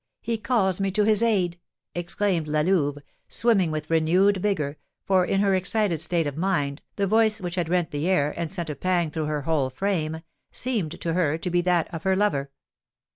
He calls me to his aid!" exclaimed La Louve, swimming with renewed vigour, for, in her excited state of mind, the voice which had rent the air, and sent a pang through her whole frame, seemed to her to be that of her lover.